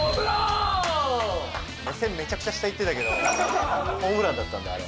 目線めちゃくちゃ下いってたけどホームランだったんだあれ。